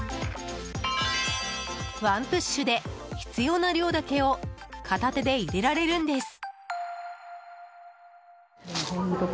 ワンプッシュで必要な量だけを片手で入れられるんです。